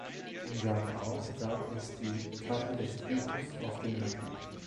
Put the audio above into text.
Im Jahr darauf gab es die „Tage des Buches auf dem Land“.